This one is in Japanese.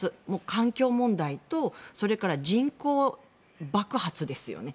環境問題とそれから人口爆発ですよね。